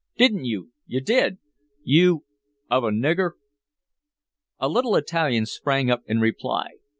Didn't you? You did! You of a nigger!" A little Italian sprang up in reply.